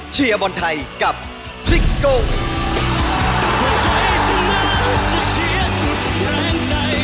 เชียบอลไทยกับชิคกี้พาย